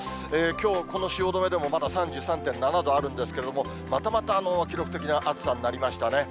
きょう、この汐留でもまだ３３．７度あるんですけれども、またまた記録的な暑さになりましたね。